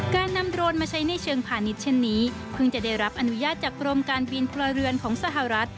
การนำโรนมาใช้ในเชิงพาณิชย์เช่นนี้เพิ่งจะได้รับอนุญาตจากกรมการบินพลเรือนของสหรัฐ